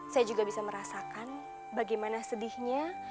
saya juga bisa merasakan bagaimana sedihnya